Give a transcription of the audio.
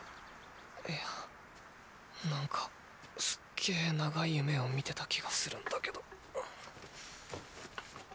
いやなんかすっげ長い夢を見てた気がするんだけど。